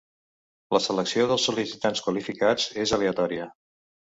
La selecció del sol·licitants qualificats és aleatòria.